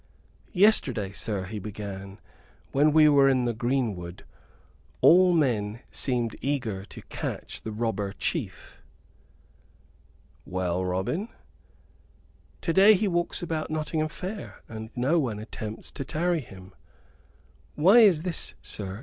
"Yesterday, sir," he began, "when we were in the greenwood, all men seemed eager to catch the robber chief." "Well, Robin?" "To day he walks about Nottingham Fair, and no one attempts to tarry him. Why is this, sir?